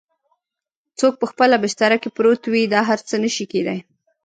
څوک په خپله بستره کې پروت وي دا هر څه نه شي کیدای؟